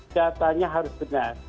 datanya harus benar